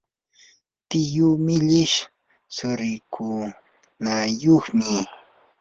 tiyuu millish tsurikunayuqmi.